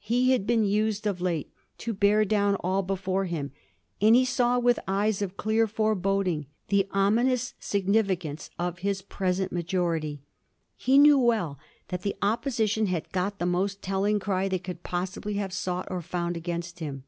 He had been used of late to bear down all before him, and he saw with eyes of clear fore boding the ominous significance of his present majo rity. He knew well that the Opposition had got the most telling cry they could possibly have sought or found against him.